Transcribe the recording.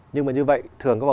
nhưng mà như vậy thường